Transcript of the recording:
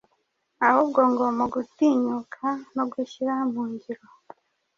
Ahubwo ngo mu gutinyuka no gushyira mu ngiro